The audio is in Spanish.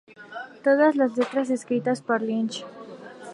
Todas las letras escritas por Lynch.